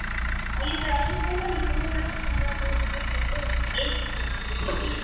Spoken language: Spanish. El consumo de las familias reaccionando paulatinamente, y la inversión creciente.